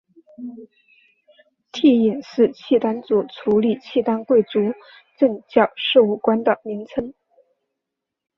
惕隐是契丹族处理契丹贵族政教事务官的名称。